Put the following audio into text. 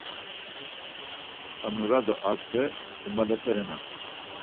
Tanura do Arte cumalepe renan.